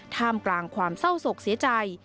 ท่ามกลางความเศร้าศกเสียใจ